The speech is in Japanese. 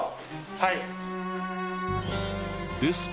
はい。